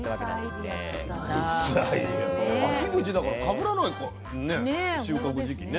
秋口だからかぶらないかね収穫時期ね。